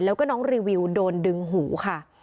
แล้วก็น้องรีวิวโดนดึงหูค่ะ